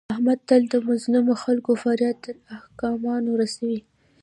احمد تل د مظلمو خلکو فریاد تر حاکمانو رسوي.